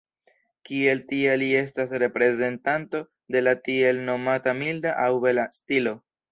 Kiel tia li estas reprezentanto de la tiel nomata milda aŭ bela stilo.